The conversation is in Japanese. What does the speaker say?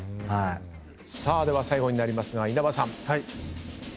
さあでは最後になりますが稲葉さん。